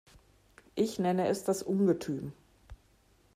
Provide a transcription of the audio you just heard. Ich nenne es das Ungetüm.